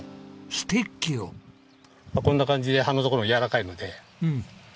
こんな感じで葉のところもやわらかいので。